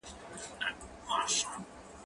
کېدای سي سفر ستونزي ولري؟